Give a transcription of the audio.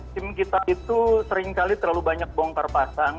tim kita itu seringkali terlalu banyak bongkar pasang